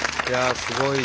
すごいな。